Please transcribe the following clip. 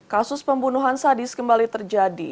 kasus pembunuhan sadis kembali terjadi